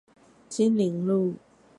金陵路